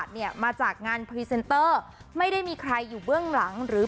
เดี๋ยวคนไปมอบให้